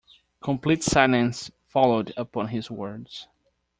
Complete silence followed upon his words.